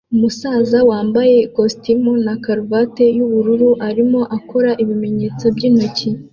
Umusaza wambaye ikositimu na karuvati yubururu arimo akora ibimenyetso byintoki